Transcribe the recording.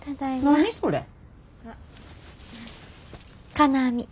金網。